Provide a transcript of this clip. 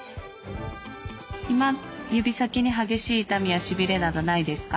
今指先に激しい痛みやしびれなどないですか？